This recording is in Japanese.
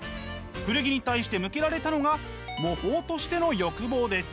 古着に対して向けられたのが模倣としての欲望です。